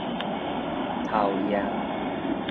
頭頁